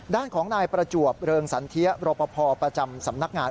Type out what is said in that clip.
ด้านของนายประจวบเริงสันเทียรปภประจำสำนักงาน